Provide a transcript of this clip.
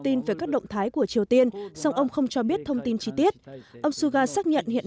tin về các động thái của triều tiên song ông không cho biết thông tin chi tiết ông suga xác nhận hiện